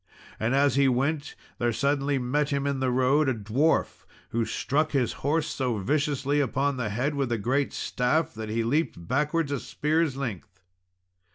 And as he went, there suddenly met him in the road a dwarf, who struck his horse so viciously upon the head with a great staff, that he leaped backwards a spear's length.